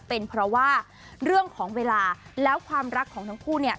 เป็นเพราะว่าเรื่องของเวลาแล้วความรักของทั้งคู่เนี่ย